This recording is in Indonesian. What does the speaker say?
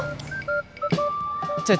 kenapa nanya begitu